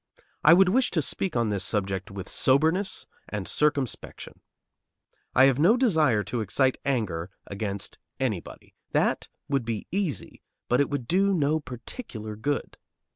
I would wish to speak on this subject with soberness and circumspection. I have no desire to excite anger against anybody. That would be easy, but it would do no particular good.